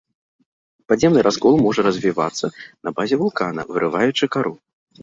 Падземны раскол можа развівацца на базе вулкана, вырываючы кару.